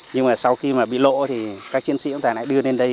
nhưng mà sau khi mà bị lộ thì các chiến sĩ cũng đã đưa lên đây